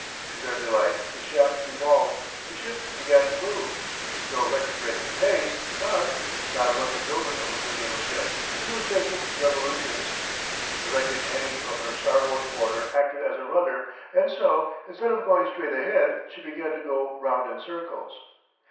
To their delight the shaft revolved, the ship began to move. No record breaking pace, but God love the builder of a good little ship she was making revolutions. The wreckage hanging from her starboard quarter acted as a rudder, and so, instead of going straight ahead, she began to go round in circles.